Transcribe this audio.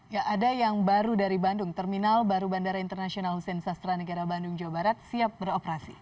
ya ada yang baru dari bandung terminal baru bandara internasional hussein sastra negara bandung jawa barat siap beroperasi